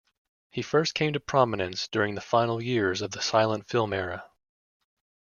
He first came to prominence during the final years of the silent film era.